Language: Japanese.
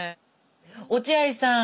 落合さん